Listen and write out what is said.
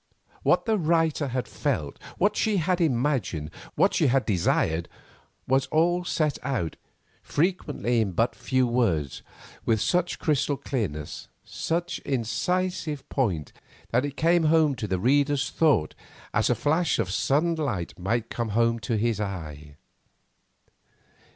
What the writer had felt, what she had imagined, what she had desired, was all set out, frequently in but few words, with such crystal clearness, such incisive point, that it came home to the reader's thought as a flash of sudden light might come home to his eye.